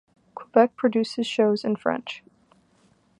Quebec produces shows in French.